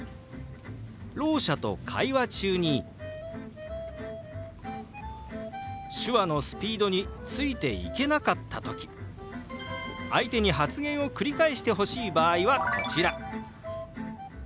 ろう者と会話中に手話のスピードについていけなかった時相手に発言を繰り返してほしい場合はこちら。